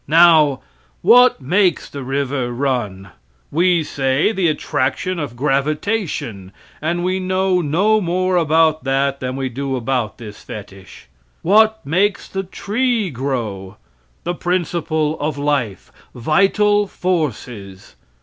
Now, what makes the river run? We say the attraction of gravitation, and we know no more about that than we do about this fetich. What makes the tree grow? The principle of life vital forces.